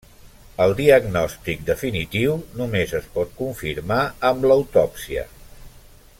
El diagnòstic definitiu només es pot confirmar amb l'autòpsia.